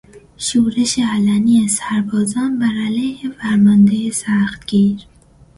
شورش علنی سربازان بر علیه فرمانده سختگیر